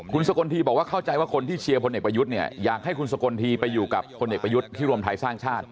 คุณสกลทีบอกว่าเข้าใจว่าคนที่เชียร์พลเอกประยุทธ์เนี่ยอยากให้คุณสกลทีไปอยู่กับพลเอกประยุทธ์ที่รวมไทยสร้างชาติ